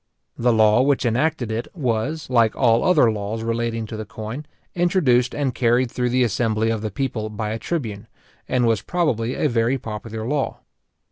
The law which enacted it was, like all other laws relating to the coin, introduced and carried through the assembly of the people by a tribune, and was probably a very popular law.